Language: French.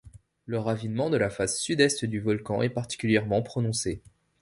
Le ravinement de la face sud-est du volcan est particulièrement prononcé.